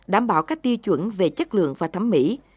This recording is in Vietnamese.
đảm bảo các tiêu chuẩn về chất lượng và thẩm mỹ